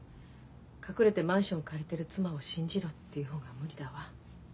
隠れてマンション借りてる妻を信じろっていう方が無理だわ。